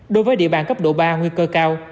đối với địa bàn cấp độ ba nguy cơ cao